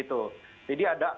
ini nungguannya ada karyawan